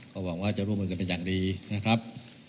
ก็หวังว่าจะร่วมมือกันเป็นอย่างดีนะครับ